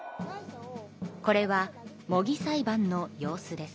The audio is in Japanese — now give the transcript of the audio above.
これは模擬裁判の様子です。